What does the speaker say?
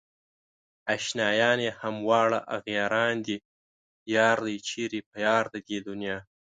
اشنايان يې همه واړه اغياران دي يار دئ چيرې په ديار د دې دنيا